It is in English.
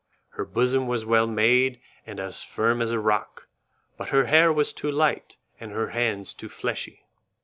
Her bosom was well made and as firm as a rock, but her hair was too light, and her hands too fleshy.